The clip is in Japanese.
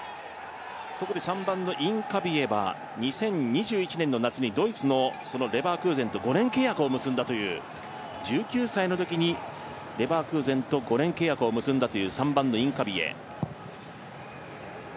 特に３番のインカピエは２０２１年の夏にドイツのレヴァークーゼンと５年契約を結んだという１９歳のときにレヴァークーゼンと５年契約を結んだという３番のインカピエ。